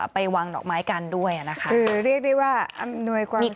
ไปวางดอกไม้กันด้วยนะคะคือเรียกได้ว่าอำนวยความ